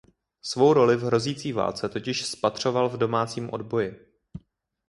Svou roli v hrozící válce totiž spatřoval v domácím odboji.